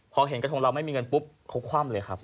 พอเห็นกระทงเราไม่มีเงินปุ๊บเขาคว่ำเลยครับ